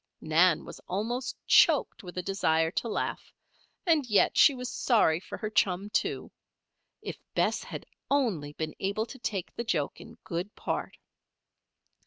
Nan was almost choked with a desire to laugh; and yet she was sorry for her chum, too. If Bess had only been able to take the joke in good part!